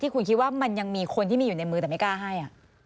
คุณคิดว่ามันยังมีคนที่มีอยู่ในมือแต่ไม่กล้าให้